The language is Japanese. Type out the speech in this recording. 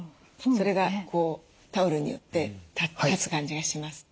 それがタオルによって立つ感じがします。